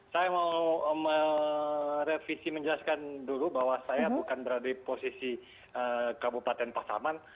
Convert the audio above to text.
saya mau merevisi menjelaskan dulu bahwa saya bukan berada di posisi kabupaten pasaman